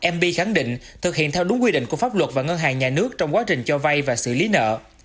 mb khẳng định thực hiện theo đúng quy định của pháp luật và ngân hàng nhà nước trong quá trình cho vay và xử lý nợ